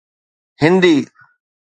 Hindi